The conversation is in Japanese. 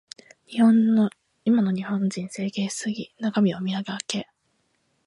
今の日本人、整形しすぎ。中身を磨け。